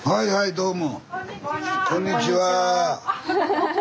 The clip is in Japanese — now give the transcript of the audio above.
どうも。